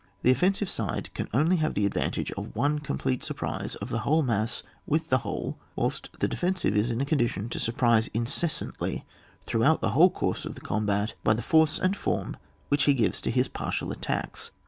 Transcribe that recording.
The offensive side can only have the advantage of one complete surprise of the whole mass with the whole, whilst the defensive is in a condition to surprise incessantly, throughout the whole course of the combat, by the force and form which he gives to his partial attacks.